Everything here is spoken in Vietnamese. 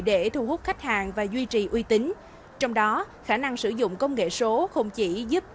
để thu hút khách hàng và duy trì uy tín trong đó khả năng sử dụng công nghệ số không chỉ giúp